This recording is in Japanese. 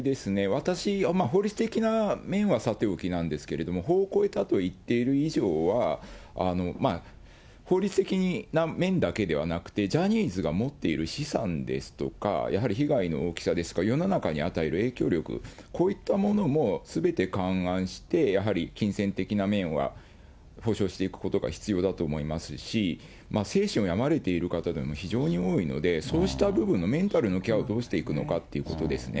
私、法律的な面はさておきなんですけれども、法を超えたと言っている以上は、まあ、法律的な面だけではなくて、ジャニーズが持っている資産ですとか、やはり被害の大きさですとか、世の中に与える影響力、こういったものもすべて勘案して、やはり金銭的な面は補償していくことが必要だと思いますし、精神を病まれている方というのも非常に多いので、そうした部分、メンタルのケアをどうしていくのかということですね。